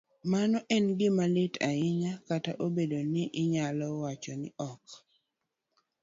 mano en gima lit ahinya, kata obedo ni inyalo wach ni ok